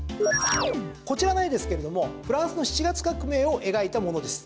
こちらの絵ですけれどもフランスの７月革命を描いたものです。